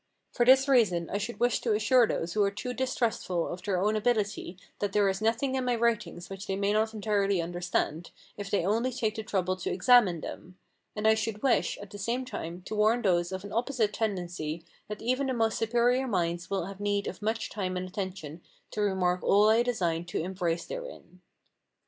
For this reason, I should wish to assure those who are too distrustful of their own ability that there is nothing in my writings which they may not entirely understand, if they only take the trouble to examine them; and I should wish, at the same time, to warn those of an opposite tendency that even the most superior minds will have need of much time and attention to remark all I designed to embrace therein.